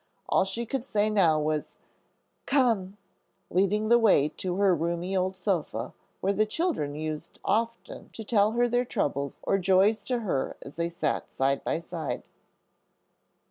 All she said now was, "Come," leading the way to the roomy old sofa, where the children used often to tell their troubles or joys to her as they sat side by side.